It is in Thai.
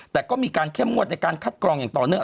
แต่ก็มีการเข้มงวดในการคัดกรองอย่างต่อเนื่อง